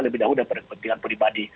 lebih dahulu daripada kepentingan pribadi